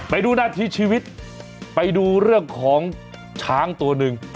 ไปดูนาทีชีวิตไปดูเรื่องของช้างตัวหนึ่ง